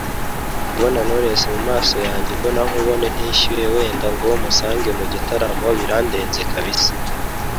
kubona Knowless mu maso yanjye imbonankubone ntishyuye wenda ngo musange mu gitaramo birandenze kabisa